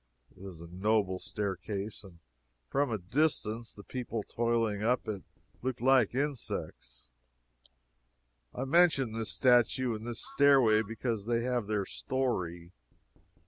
It is a noble staircase, and from a distance the people toiling up it looked like insects. I mention this statue and this stairway because they have their story.